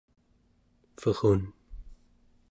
verun